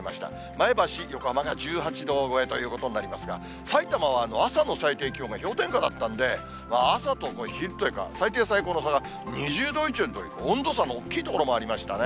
前橋、横浜が１８度超えということになりますが、さいたまは朝の最低気温が氷点下だったんで、朝と昼というか、最低、最高の差が２０度以上という温度差の大きい所もありましたね。